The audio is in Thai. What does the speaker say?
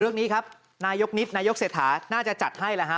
เรื่องนี้ครับนายกนิดนายกเศรษฐาน่าจะจัดให้แหละฮะ